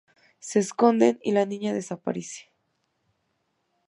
Se esconden, y la niña desaparece.